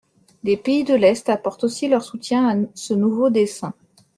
Les pays de l'Est apportent aussi leur soutien à ce nouveau dessein.